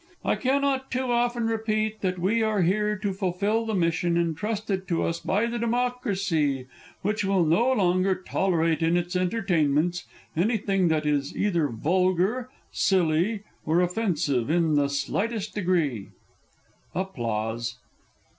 I cannot too often repeat that we are here to fulfil the mission entrusted to us by the Democracy, which will no longer tolerate in its entertainments anything that is either vulgar, silly, or offensive in the slightest degree. [_Applause.